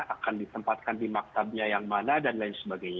akan ditempatkan di maktabnya yang mana dan lain sebagainya